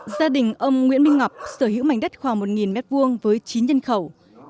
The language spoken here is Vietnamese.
gia đình ông nguyễn minh ngọc sở hữu mảnh đất khoảng một m hai với chín nhân khẩu